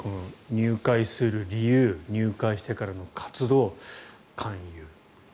入会する理由入会してからの活動、勧誘。